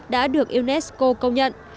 đã được unesco công nhận